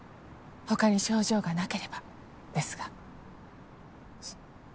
他に症状がなければですが。